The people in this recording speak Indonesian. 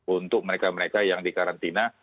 untuk mereka mereka yang di karantina